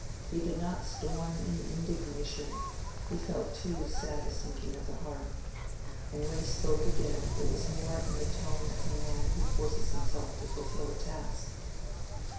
He did not storm in indignation—he felt too sad a sinking of the heart. And when he spoke again it was more in the tone of a man who forces himself to fulfil a task.